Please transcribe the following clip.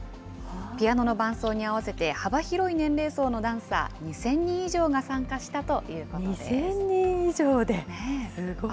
ピアノの伴奏に合わせて幅広い年齢層のダンサー２０００人以上が２０００人以上で、すごい。